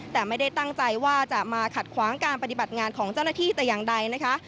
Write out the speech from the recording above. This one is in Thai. แต่ไม่ได้ตั้งใจว่าจะมาขัดขวางการปฏิบัติงานของเจ้าหน้าที่แต่อย่างใดนะคะ